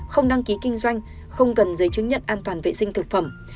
không đăng ký kinh doanh không cần giấy chứng nhận an toàn vệ sinh thực phẩm